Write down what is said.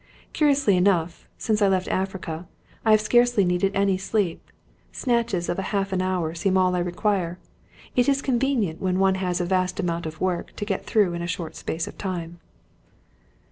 Curiously enough, since I left Africa, I have scarcely needed any sleep. Snatches of half an hour seem all I require. It is convenient when one has a vast amount of work to get through in a short space of time."